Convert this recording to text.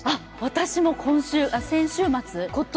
私も先週末。